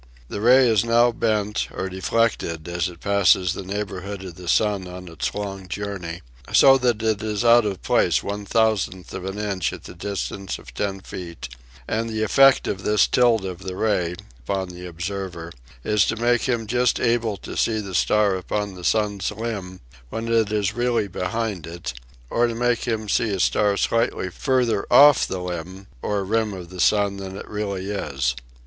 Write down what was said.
The ray is now bent or deflected as it passes the neigh borhood of the Sun on its long journey, so that it is out of place one thousandth of an inch at a distance of ten feet; and the effect of this tilt of the ray, upon the ob server, is to make him just able to see a star upcfn the Sun's * limb ' when it is really behind it, or to make him see a star slightly further off the * limb * or rim of the Sun than it really is.